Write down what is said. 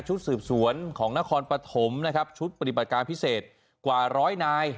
ชุดสืบสวนของนครปฐมนะครับชุดปฏิบัติการพิเศษกว่าร้อยนาย